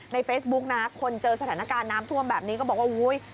เฟซบุ๊กนะคนเจอสถานการณ์น้ำท่วมแบบนี้ก็บอกว่าอุ้ย